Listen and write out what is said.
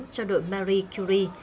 cho đội mercury